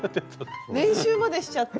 練習までしちゃって。